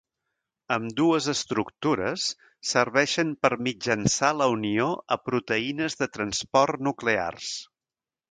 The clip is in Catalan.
Ambdues estructures serveixen per mitjançar la unió a proteïnes de transport nuclears.